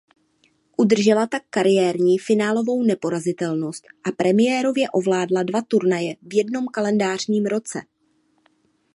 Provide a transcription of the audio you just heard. Udržela tak kariérní finálovou neporazitelnost a premiérově ovládla dva turnaje v jednom kalendářním roce.